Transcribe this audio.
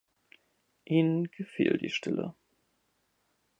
Ihnen gefiel die Stille.